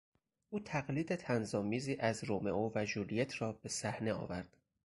او تقلید طنزآمیزی از رومئو و ژولیت را به صحنه آورد.